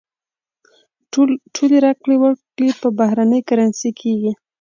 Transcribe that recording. ټولې راکړې ورکړې په بهرنۍ کرنسۍ کېږي.